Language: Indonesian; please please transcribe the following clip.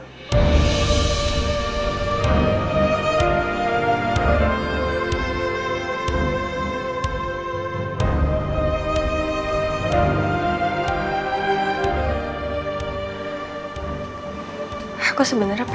aku sebenernya pengen banget ikut papa mama